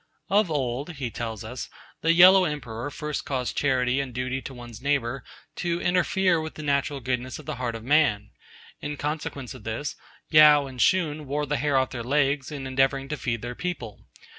'Of old,' he tells us, 'the Yellow Emperor first caused charity and duty to one's neighbour to interfere with the natural goodness of the heart of man. In consequence of this, Yao and Shun wore the hair off their legs in endeavouring to feed their people.